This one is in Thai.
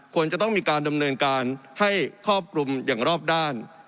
ควรจะต้องมีการดำเนินการให้ครอบคลุมอย่างรอบด้าน